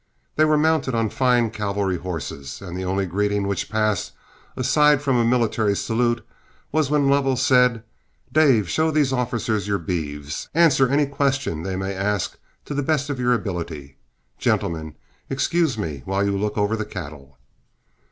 They were mounted on fine cavalry horses, and the only greeting which passed, aside from a military salute, was when Lovell said: "Dave, show these officers your beeves. Answer any question they may ask to the best of your ability. Gentlemen, excuse me while you look over the cattle."